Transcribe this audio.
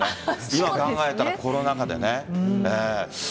今考えたら、コロナ禍でね。